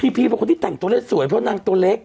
พี่เป็นคนที่แต่งตัวเลขสวยเพราะนางตัวเล็ก